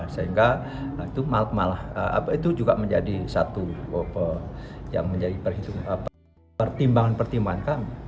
sehingga itu juga malah menjadi satu yang menjadi pertimbangan pertimbangan kami